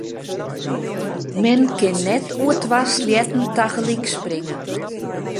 Men kin net oer twa sleatten tagelyk springe.